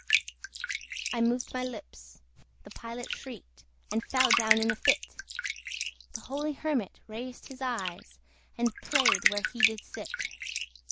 I moved my lips the Pilot shrieked And fell down in a fit; The holy Hermit raised his eyes, And prayed where he did sit.